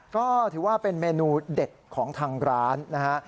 ก็ถือว่าเป็นเมนูเด็ดของทางร้านนะฮะ